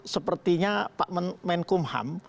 sepertinya pak menkumham